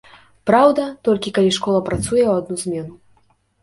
Праўда, толькі калі школа працуе ў адну змену.